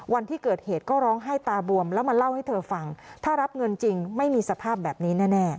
วันที่เกิดเหตุก็ร้องไห้ตาบวมแล้วมาเล่าให้เธอฟังถ้ารับเงินจริงไม่มีสภาพแบบนี้แน่